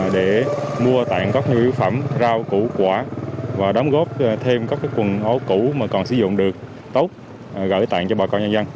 để mua tặng các nhu yếu phẩm rau củ quả và đóng góp thêm các quần áo cũ mà còn sử dụng được tốt gửi tặng cho bà con nhân dân